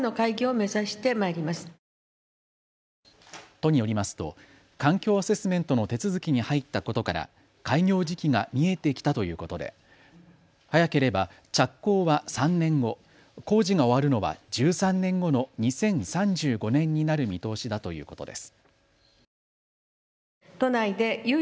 都によりますと環境アセスメントの手続きに入ったことから開業時期が見えてきたということで早ければ着工は３年後、工事が終わるのは１３年後の２０３５年になる見通しだということです。